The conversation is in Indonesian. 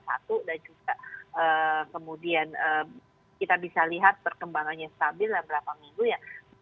dan juga kemudian kita bisa lihat perkembangannya stabil beberapa minggu ya